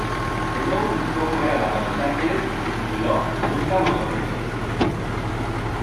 El nuevo disco fue grabado en Los Ángeles y se tituló ""Buscamos sonrisas"".